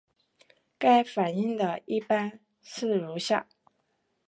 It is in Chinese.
该反应的一般式如下。